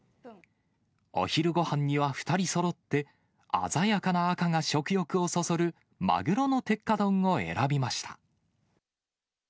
お昼ごはんには２人そろって、鮮やかな赤が食欲をそそる、マグロの鉄火丼を選びました。